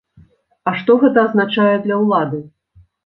А што гэта азначае для ўлады?